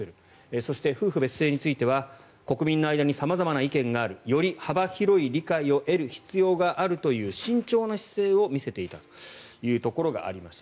そして、夫婦別姓については国民の間に様々な意見があるより幅広い理解を得る必要があるという慎重な姿勢を見せていたというところがありました。